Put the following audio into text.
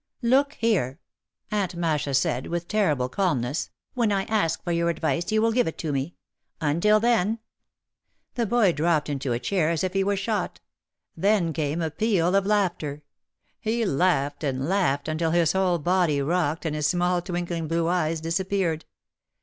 "Look here," Aunt Masha said with terrible calmness, "when I ask for your advice you will give it to me. Until then ." The boy dropped into a chair as if he were shot. Then came a peal of laughter. He laughed and laughed until his whole body rocked and his small twinkling blue eyes disappeared.